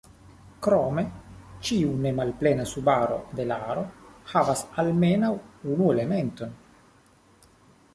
Krome, ĉiu ne malplena subaro de la aro havas almenaŭ unu elementon.